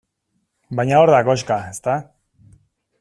Baina hor da koxka, ezta?